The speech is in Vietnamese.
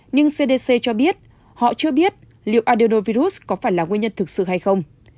nhưng cdc cho biết họ chưa biết liệu adeovirus có phải là nguyên nhân thực sự hay không